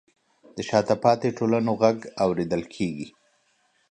د شاته پاتې ټولنو غږ اورېدل کیږي.